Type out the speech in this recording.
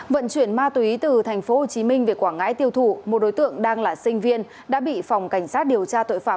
vận chuyển ma túy từ tp hcm về quảng ngãi tiêu thụ một đối tượng đang là sinh viên đã bị phòng cảnh sát điều tra tội phạm